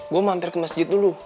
gua mampir ke masjid dulu